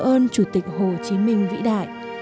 ơn chủ tịch hồ chí minh vĩ đại